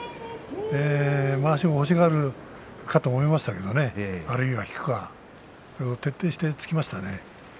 まわしを欲しがるかと思いましたがあるいは引くか徹底して突きましたね。